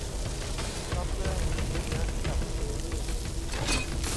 ชอบเรื่องรินะกับเอมี่